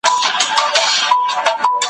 نوم چي دي پر زړه لیکم څوک خو به څه نه وايي `